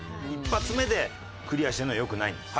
１発目でクリアしないのはよくないんです。